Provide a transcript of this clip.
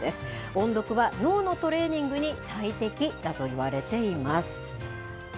音読は脳のトレーニングに最適だといわれています。